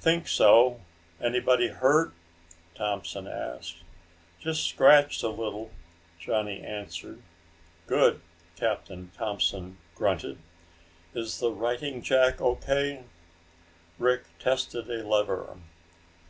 "Think so. Anybody hurt?" Thompson asked. "Just scratched a little," Johnny answered. "Good," Captain Thompson grunted. "Is the righting jack O.K.?" Rick tested a lever.